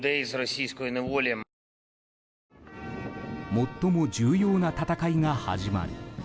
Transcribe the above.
最も重要な戦いが始まる。